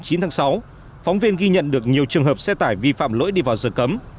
từ ngày chín tháng sáu phóng viên ghi nhận được nhiều trường hợp xe tải vi phạm lỗi đi vào giờ cấm